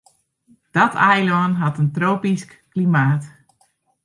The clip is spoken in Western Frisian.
Dat eilân hat in tropysk klimaat.